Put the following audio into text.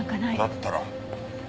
だったら。